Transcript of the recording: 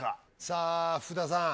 さあ福田さん。